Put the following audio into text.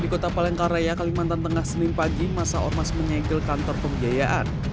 di kota palangkaraya kalimantan tengah senin pagi masa ormas menyegel kantor pembiayaan